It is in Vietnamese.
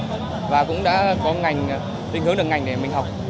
em cũng đã tìm hiểu được ngành để mình học